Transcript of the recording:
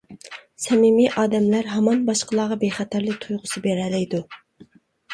سەمىمىي ئادەملەر ھامان باشقىلارغا بىخەتەرلىك تۇيغۇسىنى بېرەلەيدۇ.